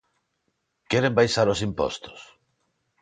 ¿Queren baixar os impostos?